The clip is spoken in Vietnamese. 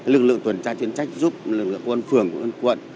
lực lượng tuần tra chuyên trách giúp quân phường quân quận